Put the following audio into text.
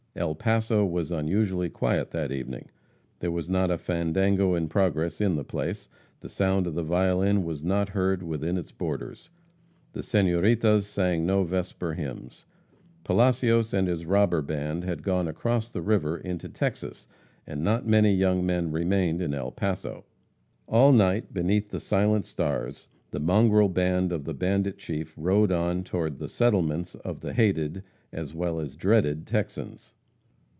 El Paso was unusually quiet that evening. There was not a fandango in progress in the place; the sound of the violin was not heard within its borders. The senoritas sang no vesper hymns. Palacios and his robber band had gone across the river into Texas, and not many young men remained in El Paso. All night, beneath the silent stars, the mongrel band of the bandit chief rode on toward "the settlements" of the hated, as well as dreaded Texans.